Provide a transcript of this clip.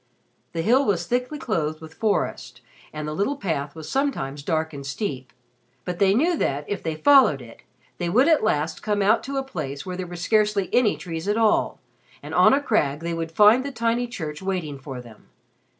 The hill was thickly clothed with forest and the little path was sometimes dark and steep; but they knew that, if they followed it, they would at last come out to a place where there were scarcely any trees at all, and on a crag they would find the tiny church waiting for them.